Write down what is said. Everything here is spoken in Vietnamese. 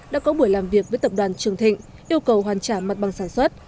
đã có buổi làm việc với tập đoàn trường thịnh yêu cầu hoàn trả mặt bằng sản xuất